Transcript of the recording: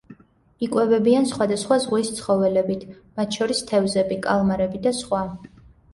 იკვებებიან სხვადასხვა ზღვის ცხოველებით, მათ შორის თევზები, კალმარები და სხვა.